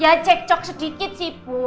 ya cecok sedikit sih bu